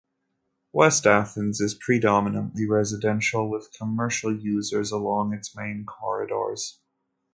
West Athens is predominantly residential, with commercial uses along its main corridors.